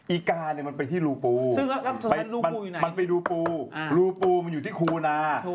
อีกามันไปที่รูปู่รูปู่มันอยู่ที่คูนา